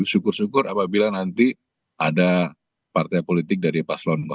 syukur syukur apabila nanti ada partai politik dari paslon dua